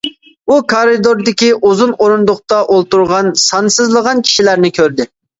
ئۇ كارىدوردىكى ئۇزۇن ئورۇندۇقتا ئولتۇرغان سانسىزلىغان كىشىلەرنى كۆردى.